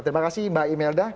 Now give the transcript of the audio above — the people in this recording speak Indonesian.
terima kasih mbak imelda